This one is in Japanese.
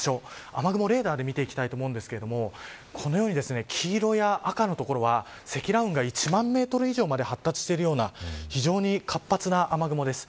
雨雲レーダーで見ていきたいと思いますがこのように黄色や赤の所は積乱雲が１万メートル以上まで発達しているような非常に活発な雨雲です。